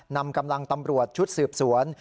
นำกำลังตำรวจชุดสืบสวน